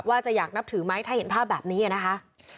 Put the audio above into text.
ว่าจะอยากนับถือไหมถ้าเห็นภาพแบบนี้นะคะ